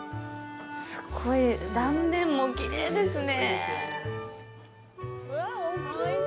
すごい、断面もきれいですね。